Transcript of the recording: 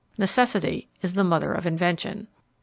Necessity is the mother of invention.